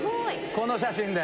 この写真で。